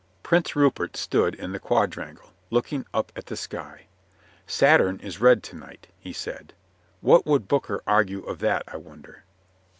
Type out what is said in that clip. Prince Rupert stood in the quadrangle, looking up at the sky, "Saturn is red to night," he said. "What would Booker argue of that, I wonder?"